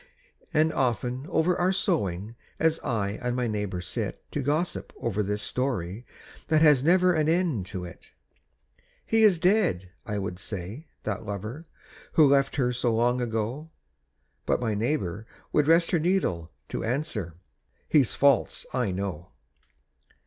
And often over our sewing, As I and my neighbour sit To gossip over this story That has never an end to it, "He is dead," I would say, "that lover, Who left her so long ago," But my neighbour would rest her needle To answer, "He's false I know."